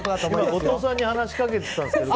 後藤さんに話しかけてたんですけど。